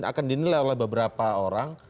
akan dinilai oleh beberapa orang